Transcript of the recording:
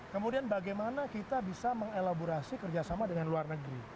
kemudian bagaimana kita bisa mengelaborasi kerjasama dengan luar negeri